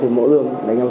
hội ngân sự